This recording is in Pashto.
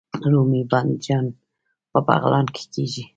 رومي بانجان په بغلان کې کیږي